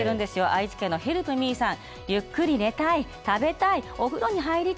愛知県のヘルプミーさん。